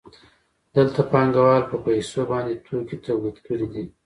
دلته پانګوال په پیسو باندې توکي تولید کړي دي